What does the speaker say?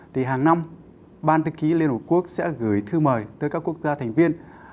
thì hàng năm ban thư ký liên hợp quốc sẽ gửi thư mời tới các quốc gia thành viên